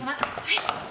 はい。